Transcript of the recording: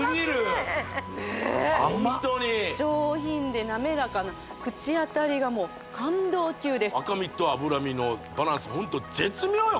ホントに上品で滑らかな口当たりがもう感動級です赤身と脂身のバランスホント絶妙よ